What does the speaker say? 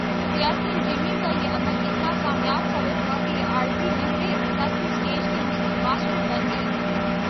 سیاسی انجینئرنگ کا یہ عمل اتنا کامیاب ثابت ہوا کہ یہ عارضی مہرے سیاسی سٹیج کے ماسٹر بن گئے۔